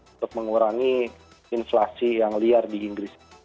untuk mengurangi inflasi yang liar di inggris